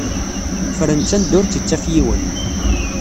Fren-tt anda ur tt-ittaf yiwen